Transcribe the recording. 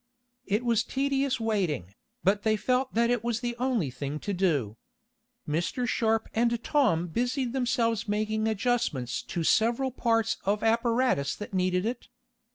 It was tedious waiting, but they felt it was the only thing to do. Mr. Sharp and Tom busied themselves making adjustments to several parts of apparatus that needed it.